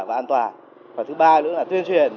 và an toàn và thứ ba nữa là tuyên truyền